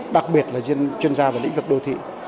đặc biệt là chuyên gia về lĩnh vực đô thị